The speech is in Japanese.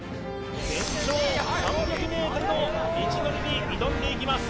全長３００ｍの道のりに挑んでいきます